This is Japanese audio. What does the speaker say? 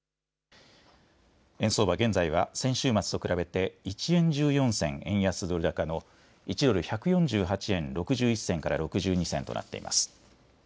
円相場、現在は先週末と比べて１円１４銭円安ドル高の１ドル１４８円６１銭から６２銭となっています。